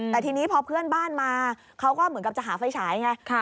แต่ทีนี้พอเพื่อนบ้านมาเขาก็เหมือนกับจะหาไฟฉายไง